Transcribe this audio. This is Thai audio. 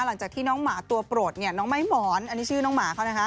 หลังจากที่น้องหมาตัวโปรดเนี่ยน้องไม้หมอนอันนี้ชื่อน้องหมาเขานะคะ